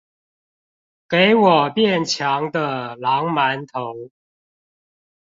給我變強的狼鰻頭